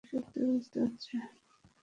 এরপর তাঁদের বিচ্ছেদ হয়ে গিয়েছিল।